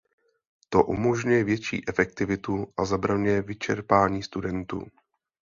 To umožňuje větší efektivitu a zabraňuje vyčerpání studentů.